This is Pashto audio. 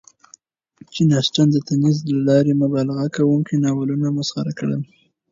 جین اسټن د طنز له لارې مبالغه کوونکي ناولونه مسخره کړل.